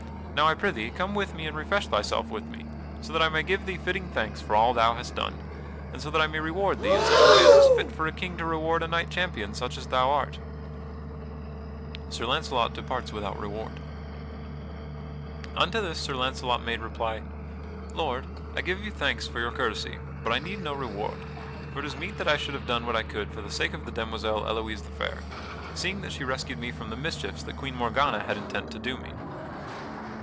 Now I prithee come with me and refresh thyself with me, so that I may give thee fitting thanks for all thou hast done, and so that I may reward thee in such a way as is fit for a king to reward a knight champion such as thou art." [Sidenote: Sir Launcelot departs without reward] Unto this Sir Launcelot made reply: "Lord, I give you thanks for your courtesy, but I need no reward; for it is meet that I should have done what I could for the sake of the demoiselle Elouise the Fair, seeing that she rescued me from the mischiefs that Queen Morgana had intent to do me."